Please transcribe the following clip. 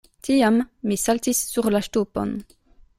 Tiam mi saltis sur la ŝtupon.